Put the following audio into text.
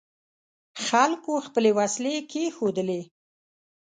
خلکو خپلې وسلې کېښودلې.